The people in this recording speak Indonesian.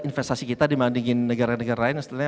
investasi kita dibandingin negara negara lain